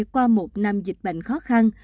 qua một năm dịch bệnh khó khăn